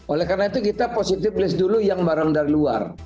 oleh karena itu kita positive list dulu yang barang dari luar